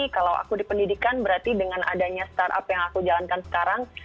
kalau aku di pendidikan berarti dengan adanya startup yang aku jalankan sekarang